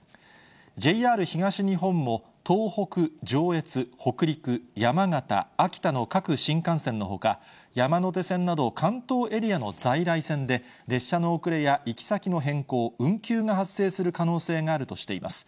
ＪＲ東日本も東北、上越、北陸、山形、秋田の各新幹線のほか、山手線など関東エリアの在来線で、列車の遅れや行き先の変更、運休が発生する可能性があるとしています。